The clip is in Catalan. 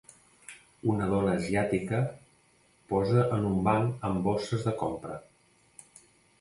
Una dona asiàtica posa en un banc amb bosses de compra.